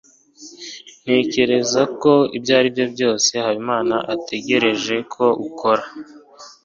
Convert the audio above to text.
ntekereza ko aribyo rwose habimana ategereje ko ukora